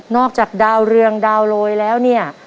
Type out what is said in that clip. จากดาวเรืองดาวโรยแล้วเนี่ย